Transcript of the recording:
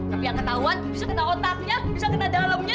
tapi yang ketahuan bisa kena otaknya bisa kena dalamnya